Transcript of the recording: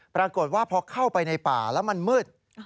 ปรากฏว่าพอเข้าไปในป่าแล้วมันมืด